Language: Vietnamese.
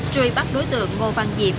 truy bắt đối tượng ngô văn diệm